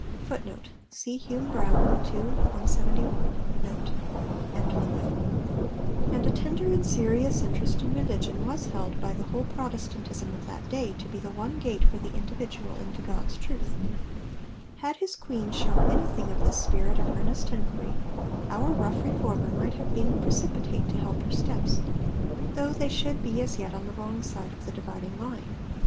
And a tender and serious interest in religion was held by the whole Protestantism of that day to be the one gate for the individual into 'God's truth.' Had his Queen shown anything of this spirit of earnest enquiry, our rough Reformer might have been precipitate to help her steps, though they should be as yet on the wrong side of the dividing line.